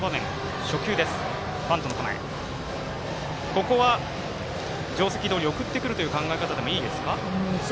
ここは定石どおり送ってくるという考え方でもいいでしょうか。